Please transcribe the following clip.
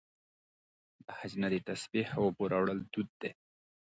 د حج نه د تسبیح او اوبو راوړل دود دی.